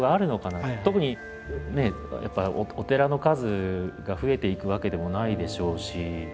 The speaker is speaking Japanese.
特にねやっぱりお寺の数が増えていくわけでもないでしょうし。